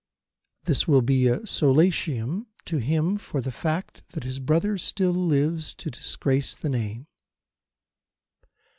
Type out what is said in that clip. This will be a solatium to him for the fact that his brother still lives to disgrace the name.